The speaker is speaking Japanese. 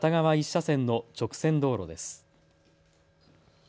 １車線の直線道路です。